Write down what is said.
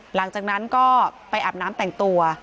หลังจากนั้นก็ไปอาบน้ำแต่งตัว